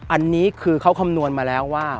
อันนี้คือเขาคำนวณมาแล้วว่า